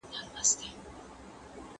¬ په ټول بابړ يو لوړ.